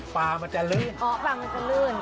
ปลามันจะลื่นอ๋อปลามันจะลื่น